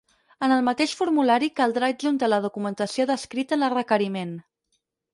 En el mateix formulari caldrà adjuntar la documentació descrita en el requeriment.